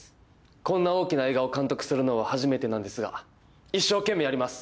こんな大きな映画を監督するのは初めてなんですが一生懸命やります。